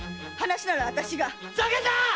ふざけるな‼